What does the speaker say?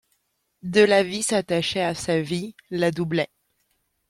De la vie s'attachait à sa vie, la doublait.